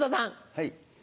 はい。